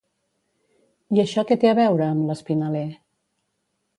I això què té a veure, amb l'Espinaler?